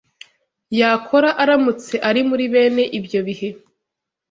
yakora aramutse ari muri bene ibyo bihe